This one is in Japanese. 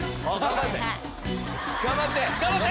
頑張って！